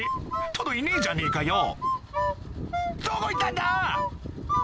トドいねえじゃねぇかよどこ行ったんだ？